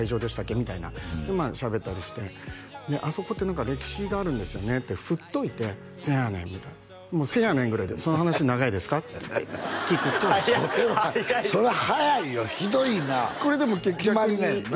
みたいなでまあしゃべったりして「あそこって何か歴史があるんですよね？」って振っといて「せやねん」みたいなもう「せやねん」ぐらいで「その話長いですか？」って聞くと早い早いそれは早いよひどいなこれでも逆に決まりなんやな？